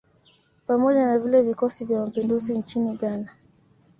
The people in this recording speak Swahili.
Pamoja na vile vikosi vya mapinduzi nchini Ghana